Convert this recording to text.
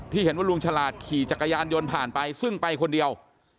เห็นว่าลุงฉลาดขี่จักรยานยนต์ผ่านไปซึ่งไปคนเดียว